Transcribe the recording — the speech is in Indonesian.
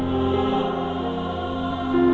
terus berutangku sayang